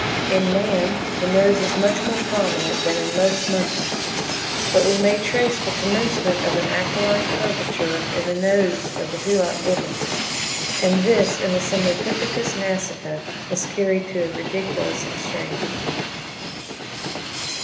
In man the nose is much more prominent than in most monkeys; but we may trace the commencement of an aquiline curvature in the nose of the Hoolock Gibbon; and this in the Semnopithecus nasica is carried to a ridiculous extreme.